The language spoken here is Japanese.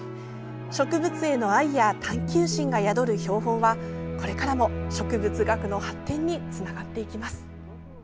植物への愛や探求心が宿る標本はこれからも植物学の発展につながっていきます。